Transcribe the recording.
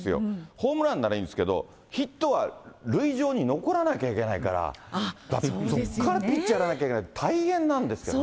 ホームランならいいんですけれども、ヒットは塁上に残らなきゃいけないから、そこからピッチャーやらなきゃいけないって大変なんですよね。